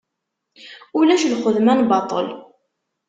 Ulac lxedma n baṭel.